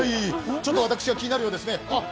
ちょっと私が気になるようですね。